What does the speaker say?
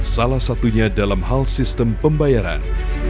salah satunya dalam hal sistem pembayaran